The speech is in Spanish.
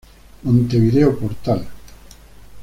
Montevideo Portal